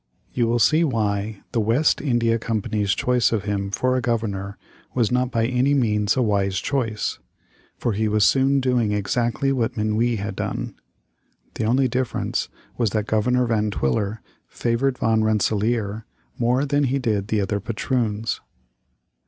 You will see why the West India Company's choice of him for a Governor was not by any means a wise choice. For he was soon doing exactly what Minuit had done. The only difference was that Governor Van Twiller favored Van Rensselaer more than he did the other patroons.